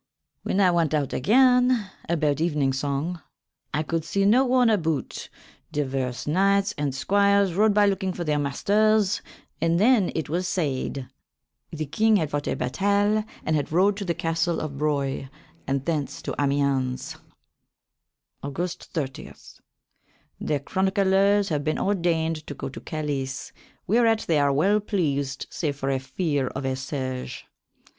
When I went out again, aboute evensong, I could see no one aboute, dyverse knyghtes and squyers rode by looking for their maisters, and then it was sayd the Kynge had fought a batayle, and had rode to the castell of Broye, and thence to Amyense. August 30. The chronyclers have been ordayned to go to Calys, whereat they are well pleased save for a feare of a siege.